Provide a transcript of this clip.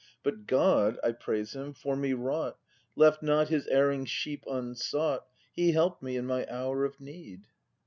But God (I praise Him) for me wrought. Left not His erring sheep unsought, He help'd me in my hour of need.